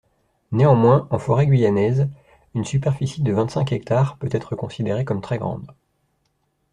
Néanmoins, en forêt guyanaise, une superficie de vingt-cinq hectares peut être considérée comme très grande.